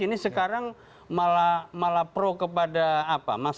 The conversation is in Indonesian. ini sekarang malah pro kepada apa